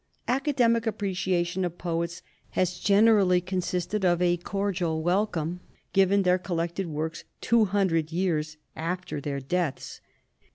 Academic appreciation of poets has generally consisted of a cordial welcome given their collected works two hundred years after their deaths.